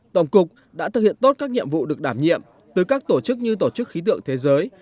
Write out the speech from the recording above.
tổng cục đã thực hiện tốt các nhiệm vụ được đảm nhiệm từ các tổ chức như tổ chức khí tượng thế giới